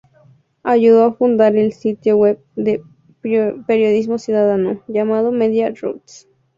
Ayudó a fundar el sitio Web de periodismo ciudadano, llamado Media Roots.